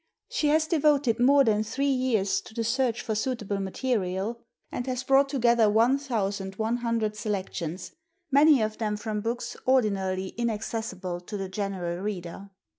She has devoted more than three years to the search for suitable material and has brought together one thousand one hundred selections, many of them from books ordinarily inaccessible to the general reader.